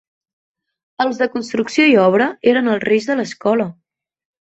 Els de Construcció i Obra eren els reis de l'escola.